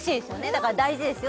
だから大事ですよ